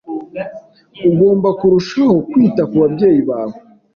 Ugomba kurushaho kwita kubabyeyi bawe.